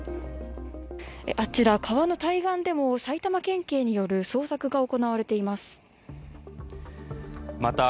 あちら、川の対岸でも埼玉県警による捜索が行われています。